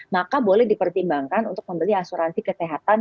maka boleh dipertimbangkan untuk membeli asuransi kesehatan